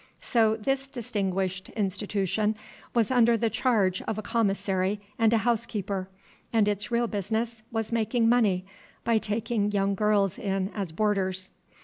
So this distinguished institution was under the charge of a commissary and a housekeeper, and its real business was making money by taking young girls in as boarders.